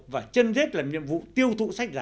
và chân rết làm nhiệm vụ tiêu thụ sách giả